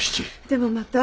でもまた。